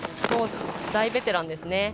大ベテランですね。